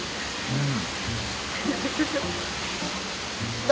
うん。